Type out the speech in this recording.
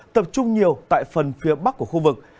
tập trung nhiều tại phần phía bắc của khu vực